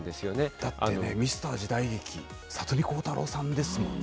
だって、ミスター時代劇、里見浩太朗さんですもんね。